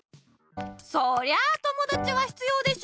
そりゃあともだちは必要でしょ！